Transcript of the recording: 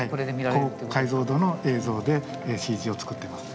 高解像度の映像でＣＧを作っています。